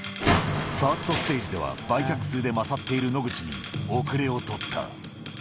ファーストステージでは、売却数で優っている野口に後れを取った。